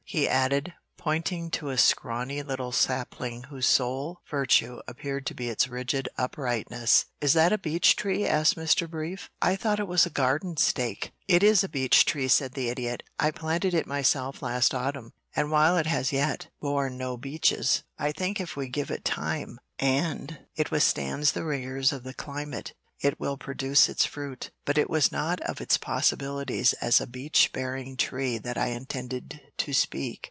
he added, pointing to a scrawny little sapling whose sole virtue appeared to be its rigid uprightness. "Is that a beech tree?" asked Mr. Brief. "I thought it was a garden stake." [Illustration: "'He WOULD GO OUT DAY AFTER DAY AND SIT DOWN BESIDE IT'"] "It is a beech tree," said the Idiot. "I planted it myself last autumn, and while it has as yet borne no beeches, I think if we give it time, and it withstands the rigors of the climate, it will produce its fruit. But it was not of its possibilities as a beech bearing tree that I intended to speak.